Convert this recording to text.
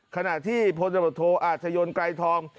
ขณะที่พศโทอาจจะยนต์ไกลทอง